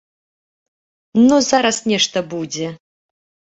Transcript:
Ну, зараз нешта будзе!